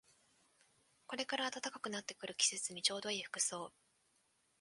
これから暖かくなってくる季節にちょうどいい服装